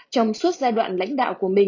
trong suốt giai đoạn lãnh đạo